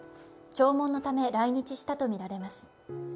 弔問のため来日したとみられます。